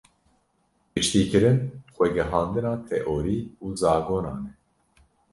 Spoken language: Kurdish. Giştîkirin, xwegihandina teorî û zagonan e.